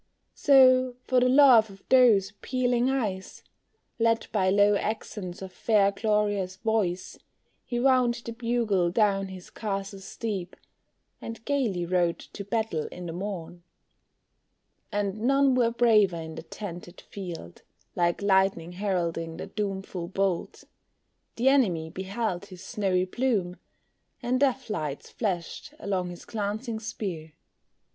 So, for the love of those appealing eyes, Led by low accents of fair Gloria's voice, He wound the bugle down his castle's steep, And gayly rode to battle in the morn. And none were braver in the tented field, Like lightning heralding the doomful bolt; The enemy beheld his snowy plume, And death lights flashed along his glancing spear.